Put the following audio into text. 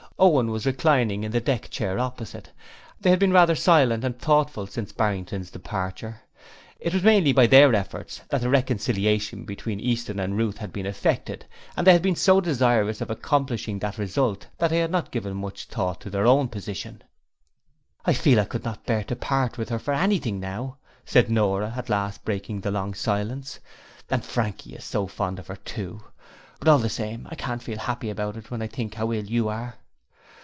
Owen was reclining in the deck chair opposite. They had both been rather silent and thoughtful since Barrington's departure. It was mainly by their efforts that the reconciliation between Easton and Ruth had been effected and they had been so desirous of accomplishing that result that they had not given much thought to their own position. 'I feel that I could not bear to part with her for anything now,' said Nora at last breaking the long silence, 'and Frankie is so fond of her too. But all the same I can't feel happy about it when I think how ill you are.'